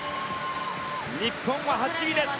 日本は８位です。